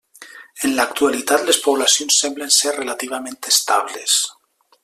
En l'actualitat les poblacions semblen ser relativament estables.